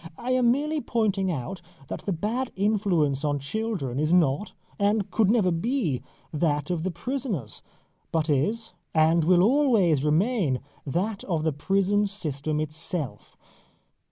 I am merely pointing out that the bad influence on children is not, and could never be, that of the prisoners, but is, and will always remain, that of the prison system itself.